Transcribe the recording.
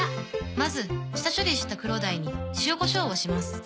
まず下処理した黒鯛に塩コショウをします。